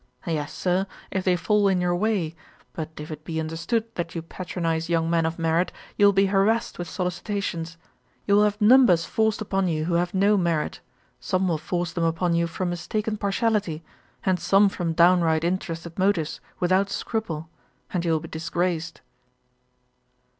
'Yes, Sir, if they fall in your way; but if it be understood that you patronize young men of merit, you will be harassed with solicitations. You will have numbers forced upon you who have no merit; some will force them upon you from mistaken partiality; and some from downright interested motives, without scruple; and you will be disgraced.'